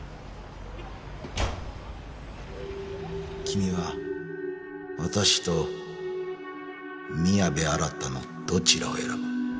君は私と宮部新のどちらを選ぶ？